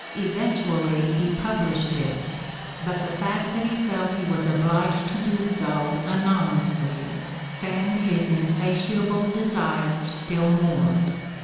Eventually he published this, but the fact that he felt he was obliged to do so anonymously fanned his insatiable desire still more.